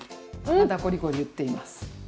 まだコリコリいっています。